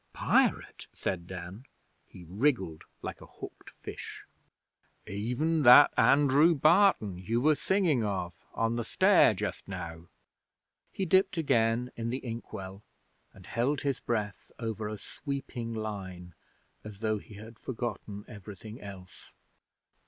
'Pirate?' said Dan. He wriggled like a hooked fish. 'Even that Andrew Barton you were singing of on the stair just now.' He dipped again in the ink well, and held his breath over a sweeping line, as though he had forgotten everything else.